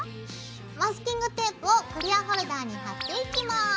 マスキングテープをクリアホルダーに貼っていきます。